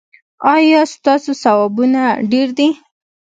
ایا ستاسو ثوابونه ډیر دي؟